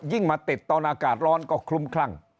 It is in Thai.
มาติดตอนอากาศร้อนก็คลุ้มคลั่ง